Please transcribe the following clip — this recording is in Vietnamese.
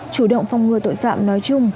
chủ động phong ngừa tội phạm nói chung